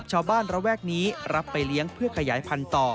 จับชาวบ้านระแวกนี้รับไปเลี้ยงเพื่อขยายพันธุ์ต่อ